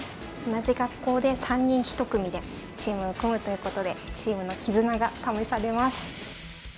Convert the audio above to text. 同じ学校で３人一組でチームを組むということでチームの絆が試されます。